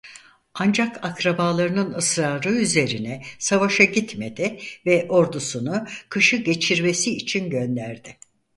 Ancak akrabalarının ısrarı üzerine savaşa gitmedi ve ordusunu kışı geçirmesi için gönderdi.